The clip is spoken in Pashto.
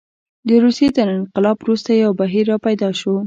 د روسیې تر انقلاب وروسته یو بهیر راپیدا شو.